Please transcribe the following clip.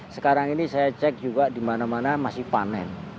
sekarang ini saya cek juga di mana mana masih panen